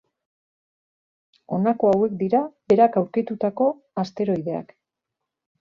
Honako hauek dira berak aurkitutako asteroideak.